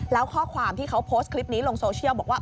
แล้วข้อความที่เขาโพสต์คลิปนี้ลงโซเชียลบอกว่า